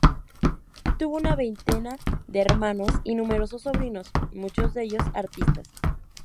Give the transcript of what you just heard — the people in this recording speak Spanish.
Tuvo una veintena de hermanos y numerosos sobrinos, muchos de ellos artistas.